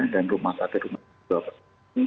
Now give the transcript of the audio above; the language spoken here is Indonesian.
dan rumah satu rumah dua rumah satu